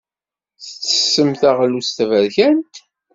Tettessem taɣlust taberkant?